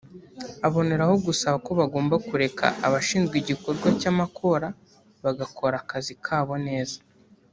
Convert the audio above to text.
Aboneraho gusaba ko bagomba kureka abashinzwe igikorwa cy’amakora bagakora akazi kabo neza